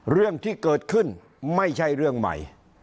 เรื่องที่เกิดขึ้นไม่ใช่เรื่องใหม่